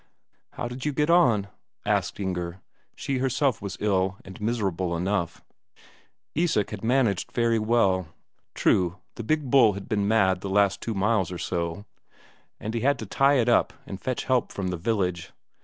"How did you get on?" asked Inger. She herself was ill and miserable enough. Isak had managed very well. True, the big bull had been mad the last two miles or so, and he had to tie it up and fetch help from the village.